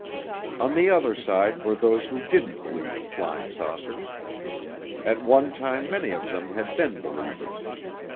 On the other side were those who didn't believe in flying saucers. At one time many of them had been believers.